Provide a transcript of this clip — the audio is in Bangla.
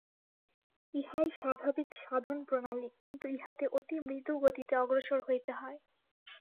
ইহাই স্বাভাবিক সাধনপ্রণালী, কিন্তু ইহাতে অতি মৃদু গতিতে অগ্রসর হইতে হয়।